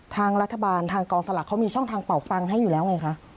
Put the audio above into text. ทางรัฐบาลทางกองสลักเขามีช่องทางเป่าฟังให้อยู่แล้วไงคะ